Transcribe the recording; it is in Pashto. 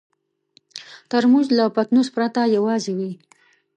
ترموز له پتنوس پرته یوازې وي.